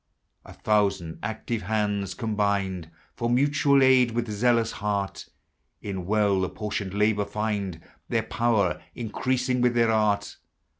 A thousand active hands, combined For mutual aid, with zealous heart, In well apportioned labor find Their power increasing with their art.